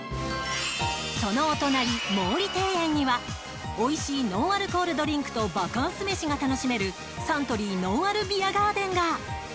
そのお隣、毛利庭園ではおいしいノンアルコールドリンクとバカンス飯が楽しめるサントリーのんあるビアガーデンが。